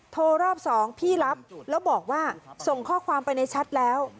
รอบสองพี่รับแล้วบอกว่าส่งข้อความไปในแชทแล้ว